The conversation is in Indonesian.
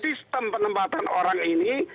sistem penempatan orang ini